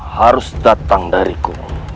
harus datang dariku